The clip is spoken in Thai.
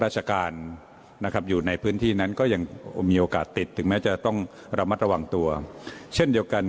ช่วงก่อนครั้งนี้คุณหมอบรับนะครับสวัสดีครับ